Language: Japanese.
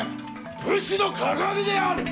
武士の鑑である！